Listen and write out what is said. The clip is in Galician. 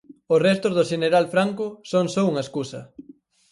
Os restos do xeneral Franco son só unha escusa.